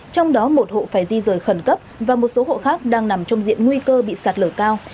trong đó một hộ phải di rời khẩn cấp và một số hộ khác đang nằm trong diện nguy cơ bị sạt lở cao